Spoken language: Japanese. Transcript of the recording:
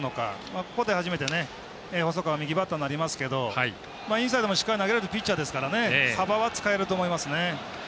ここで初めて細川、右バッターになりますけどインサイドもしっかり投げられるピッチャーですから幅は使えると思います。